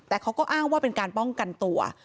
แต่เขาก็อ้างว่าเป็นการป้องกันตัว